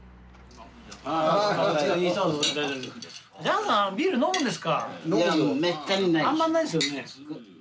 あんまないですよね。